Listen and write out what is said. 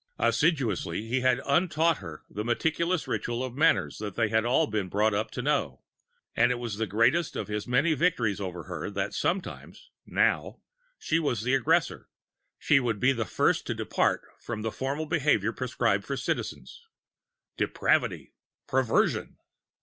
Assiduously, he had untaught her the meticulous ritual of manners that they had all of them been brought up to know; and it was the greatest of his many victories over her that sometimes, now, she was the aggressor, she would be the first to depart from the formal behavior prescribed for Citizens. Depravity! Perversion!